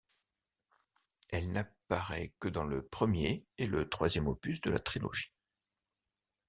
Elle n'apparaît que dans le premier et le troisième opus de la trilogie.